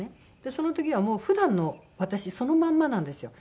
その時はもう普段の私そのまんまなんですよ。